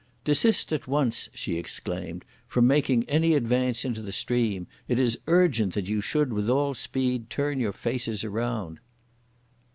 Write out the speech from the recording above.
"Desist at once," she exclaimed, "from making any advance into the stream; it is urgent that you should, with all speed, turn your faces round!"